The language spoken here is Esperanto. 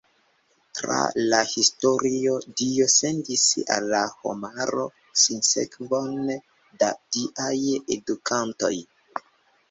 Tra la historio Dio sendis al la homaro sinsekvon da diaj Edukantoj.